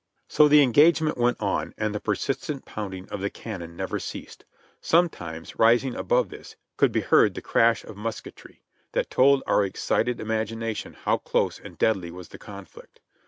So the engagement went on, and the persistent pounding of the cannon never ceased ; sometimes, rising above this, could be heard the crash of musketry, that told our excited imagination how close and deadly was the conflict.